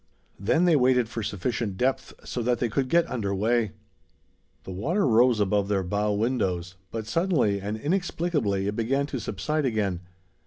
Then they waited for sufficient depth, so that they could get under way. The water rose above their bow windows, but suddenly and inexplicably it began to subside again.